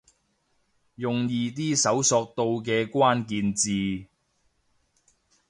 用易啲搜尋到嘅關鍵字